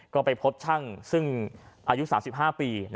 ก็ไปพบช่างซึ่งอายุ๓๕ปี